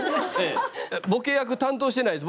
ボケ役担当してないです。